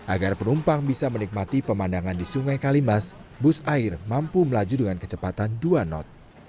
agar penumpang bisa menikmati pemandangan di sungai kalimas bus air mampu melaju dengan kecepatan dua knot